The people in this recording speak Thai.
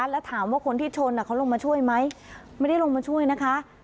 แล้วถามว่าคนที่ชนเขาลงมาช่วยไหมไม่ได้ลงมาช่วยนะคะ